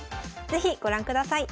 是非ご覧ください。